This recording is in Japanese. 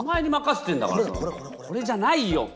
これじゃないよ。